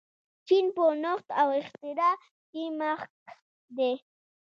چین په نوښت او اختراع کې مخکښ دی.